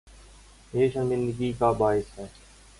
یہ شرمندگی کا باعث ہے۔